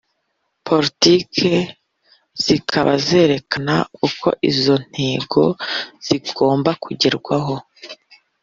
Politiki zikaba zerekana uko izo ntego zigomba kugerwaho